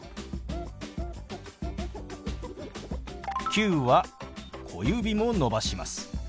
「９」は小指も伸ばします。